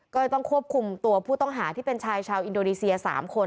ก็เลยต้องควบคุมตัวผู้ต้องหาที่เป็นชายชาวอินโดนีเซีย๓คน